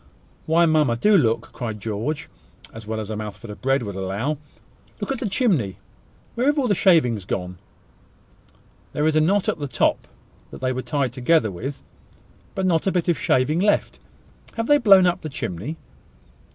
"Why, mamma! do look!" cried George, as well as a mouthful of bread would allow. "Look at the chimney! Where are all the shavings gone? There is the knot at the top that they were tied together with, but not a bit of shaving left. Have they blown up the chimney?"